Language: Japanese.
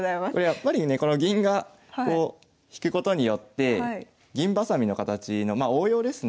やっぱりねこの銀がこう引くことによって銀ばさみの形のまあ応用ですね。